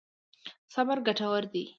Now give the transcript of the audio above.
صبر ګټور دی.